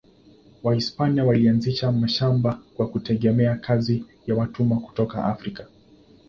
Wahispania walianzisha mashamba kwa kutegemea kazi ya watumwa kutoka Afrika.